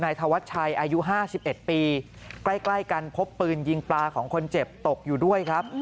ธวัชชัยอายุ๕๑ปีใกล้กันพบปืนยิงปลาของคนเจ็บตกอยู่ด้วยครับ